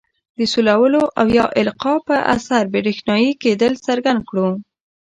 د سولولو او یا القاء په اثر برېښنايي کیدل څرګند کړو.